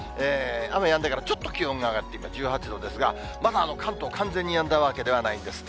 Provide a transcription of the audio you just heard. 雨やんでから、ちょっと気温が上がって、今１８度ですが、まだ関東、完全にやんだわけではないんです。